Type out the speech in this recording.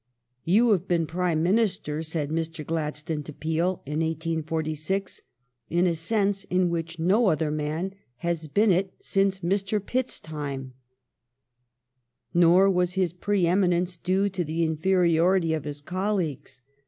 "You have been > Prime Minister," said Mr. Gladstone to Peel in 1846, " in a sense in which no other man has been it since Mr. Pitt's time." The Cab Nor was his pre eminence due to the infei'iority of his colleagues.